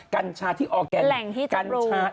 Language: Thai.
กัญชาที่ออร์แกน